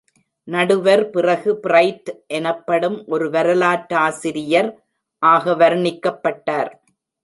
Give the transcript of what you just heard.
நடுவர், பிறகு பிரைட் எனப்படும் ஒரு வரலாற்றாசிரியர் ஆக வர்ணிக்கப்பட்டார்.